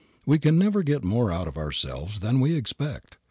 We never can get more out of ourselves than we expect.